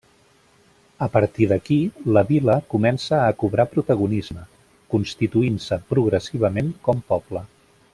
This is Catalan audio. A partir d'aquí la vila comença a cobrar protagonisme constituint-se progressivament com poble.